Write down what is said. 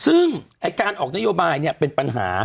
ซึ่งการออกนโยบายเป็นปัญหา